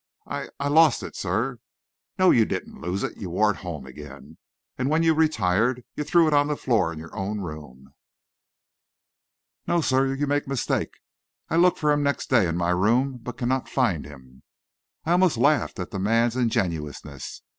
"I I lost it, sir." "No, you didn't lose it. You wore it home again, and when you retired, you threw it on the floor, in your own room." "No, sir. You make mistake. I look for him next day in my room, but cannot find him." I almost laughed at the man's ingenuousness.